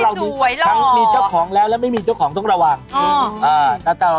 ช่วงนี้เสน่ห์แรงมีคนมาชอบ